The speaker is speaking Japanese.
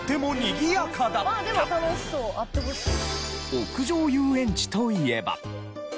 屋上遊園地といえば。